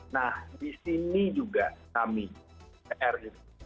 nah di sini juga kami pr